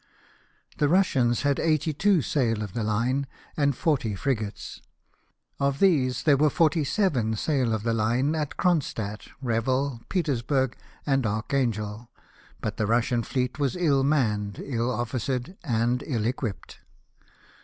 The Kussians had eighty two sail of the line and forty frigates. Of these there were forty seven sail of the line at Cronstadt, Revel, Petersburg, and Archangel, but the Russian fleet was ill manned, ill officered, and ill equipped.